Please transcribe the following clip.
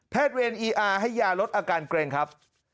แพทย์เรียนอีอาร์ให้ยารดอาการเกร็งครับ